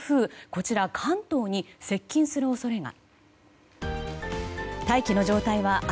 こちら、関東に接近する恐れが。